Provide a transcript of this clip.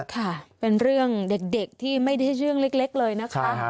ค่ะเป็นเรื่องเด็กที่ไม่ได้เรื่องเล็กเลยนะคะ